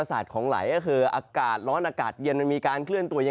อ่าร้อนก็ไม่เชื่อ